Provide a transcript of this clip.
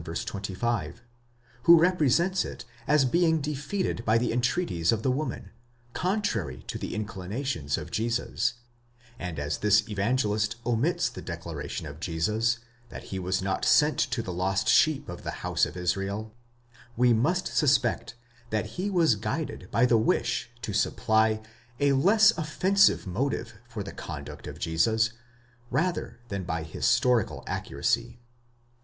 25), who represents it as being defeated by the entreaties of the woman, contrary to the inclinations of Jesus ; and as this Evangelist omits the declaration of Jesus, that he was not sent but to the lost sheep of the house of Israel, we must suspect that he was guided by the wish to supply a less offensive motive for the conduct of Jesus, rather than by historical accuracy.